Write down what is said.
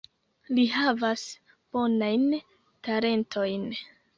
Li havas bonajn talentojn.